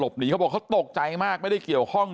บอกว่าเขาตกใจมากไม่ได้เกี่ยวข้อง